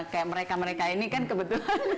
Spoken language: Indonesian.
kayak mereka mereka ini kan kebetulan